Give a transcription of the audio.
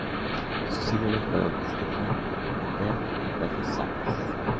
Sus ídolos fueron Stefan Edberg y Pete Sampras.